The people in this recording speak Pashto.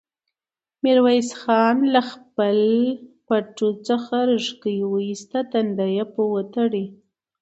ميرويس خان له خپل پټکي ريتاړه واېسته، تندی يې پرې وتاړه.